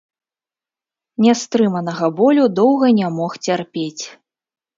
Нястрыманага болю доўга не мог цярпець.